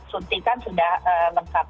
suntikan sudah lengkap